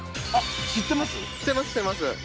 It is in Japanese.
あっ知ってます？